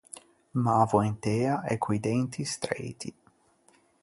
Mävoentea e co-i denti streiti.